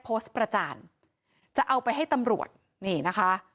โพสต์ประจานจะเอาไปให้ตำรวจนี่นะคะ